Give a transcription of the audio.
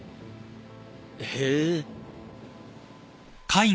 へえ。